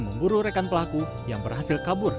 memburu rekan pelaku yang berhasil kabur